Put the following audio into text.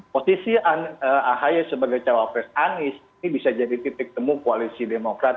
posisi ahi sebagai capres dawapres anies ini bisa jadi titik temu koalisi demokrat